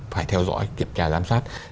phải theo dõi kiểm tra giám sát